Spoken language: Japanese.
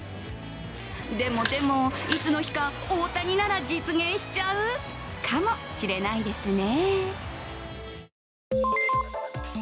でもでも、いつの日か、大谷なら実現しちゃうかもしれないですね。